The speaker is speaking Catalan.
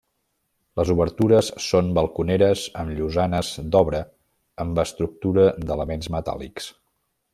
Les obertures són balconeres amb llosanes d'obra amb estructura d'elements metàl·lics.